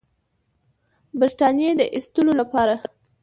برټانیې د ایستلو لپاره.